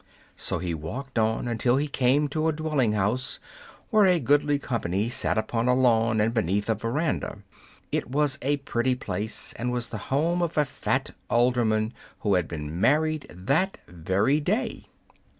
So he walked on until he came to a dwelling house where a goodly company sat upon a lawn and beneath a veranda. It was a pretty place, and was the home of a fat alderman who had been married that very day.